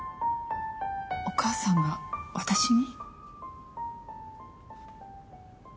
お義母さんが私に？